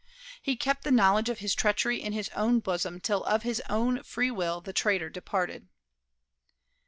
He kept the knowledge of his treachery in his own bosom till of his own free will the traitor departed.